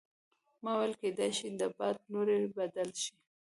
ما وویل کیدای شي د باد لوری بدل شي.